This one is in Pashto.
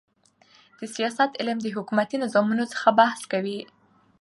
د سیاست علم د حکومتي نظامو څخه بحث کوي.